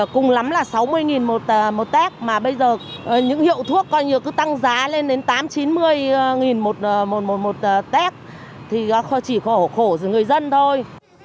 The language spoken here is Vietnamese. cùng lắm là sáu mươi một test mà bây giờ những hiệu thuốc coi như cứ tăng giá lên đến tám chín mươi một test thì chỉ khổ khổ cho người dân thôi